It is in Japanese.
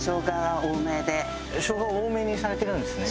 生姜を多めにされてるんですね。